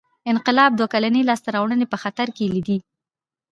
انقلاب دوه کلنۍ لاسته راوړنې په خطر کې لیدې.